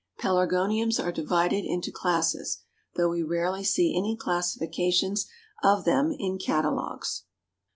Pelargoniums are divided into classes, though we rarely see any classifications of them in the catalogues.